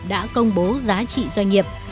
đã công bố giá trị doanh nghiệp